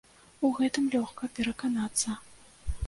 У гэтым лёгка пераканацца.